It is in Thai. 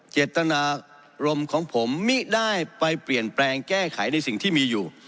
เจตนารมณ์ของผมมิได้ไปเปลี่ยนแปลงแก้ไขในสิ่งที่มีอยู่